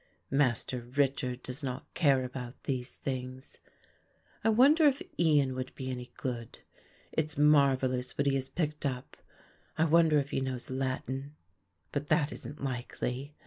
Master Richard does not care about these things; I wonder if Ian would be any good. It's marvellous what he has picked up. I wonder if he knows Latin. But that isn't likely.